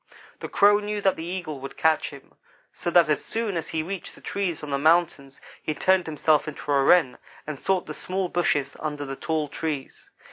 "The Crow knew that the Eagle would catch him, so that as soon as he reached the trees on the mountains he turned himself into a Wren and sought the small bushes under the tall trees.